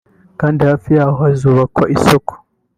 kandi hafi yawo hazubakwa isoko